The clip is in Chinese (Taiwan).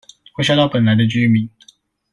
會嚇到本來的居民